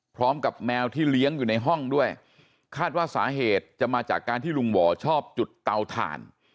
แมวที่เลี้ยงอยู่ในห้องด้วยคาดว่าสาเหตุจะมาจากการที่ลุงหว่อชอบจุดเตาถ่าน